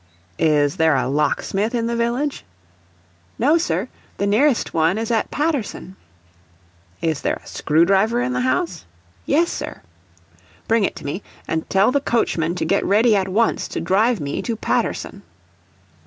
"Is there a locksmith in the village?" "No, sir; the nearest one is at Paterson." "Is there a screwdriver in the house?" "Yes, sir." "Bring it to me, and tell the coachman to get ready at once to drive me to Paterson."